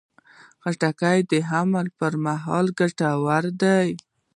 خټکی د حمل پر مهال ګټور دی.